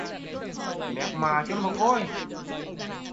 Mét mạ cho mà coi!